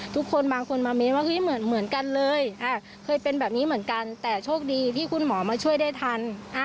ทุกคนบางคนมาเม้นว่าเฮ้ยเหมือนกันเลยเคยเป็นแบบนี้เหมือนกันแต่โชคดีที่คุณหมอมาช่วยได้ทัน